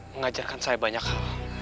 mengajarkan saya banyak hal